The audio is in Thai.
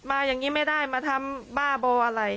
อย่างนี้ไม่ได้มาทำบ้าบ่ออะไร